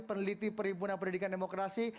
peneliti perhimpunan pendidikan demokrasi